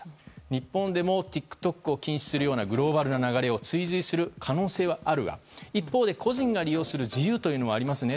日本でもＴｉｋＴｏｋを禁止するようなグローバルの流れを追随する可能性があるが一方で個人が利用する理由がありますね。